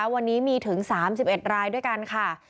วันนี้มีถึง๓๑รายด้วยกันค่ะ